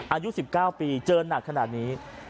อายุ๑๙ปีเจอหนักขนาดนี้